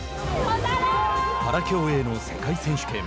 パラ競泳の世界選手権。